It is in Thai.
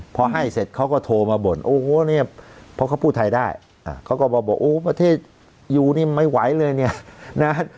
พอให้เสร็จเขาก็โทรมาบ่นโอ้โหเนี่ยเพราะเขาพูดไทยได้อ่า